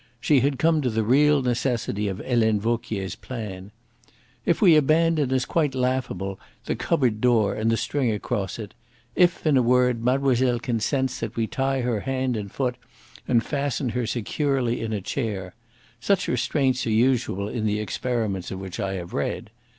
She had come to the real necessity of Helene Vauquier's plan. "If we abandon as quite laughable the cupboard door and the string across it; if, in a word, mademoiselle consents that we tie her hand and foot and fasten her securely in a chair. Such restraints are usual in the experiments of which I have read.